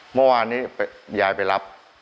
เมื่อวานนี้ยายไปรับ